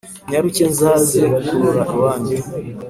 Nyaruke nzaze kurora iwanyu